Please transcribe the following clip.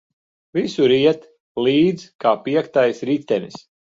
Visur iet līdz kā piektais ritenis.